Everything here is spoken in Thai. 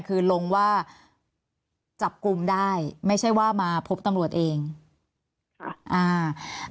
คือลงว่าจับกลุ่มได้ไม่ใช่ว่ามาพบตำรวจเองค่ะอ่า